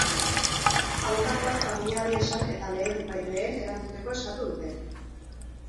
Abokatuak familiari esan eta lehen baitlehen erantzuteko eskatu dute.